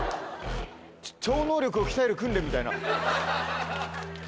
超能力を鍛える訓練みたいな。